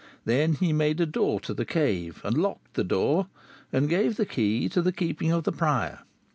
Then he made a door to the cave, and locked the door, and gave the key to the keeping of the prior.